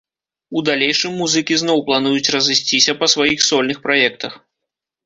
У далейшым музыкі зноў плануюць разысціся па сваіх сольных праектах.